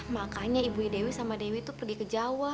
makanya ibunya dewi sama dewi tuh pergi ke jawa